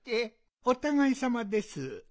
おたがいさまです。